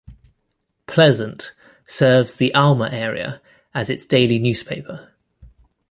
Pleasant, serves the Alma area as its daily newspaper.